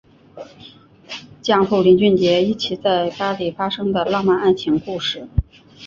讲述林俊杰一起在巴黎发生的浪漫爱情故事。